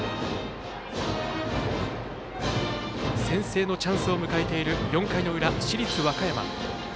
先制のチャンスを迎えている４回の裏、市立和歌山。